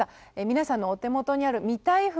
皆さんのお手元にある「見たい札」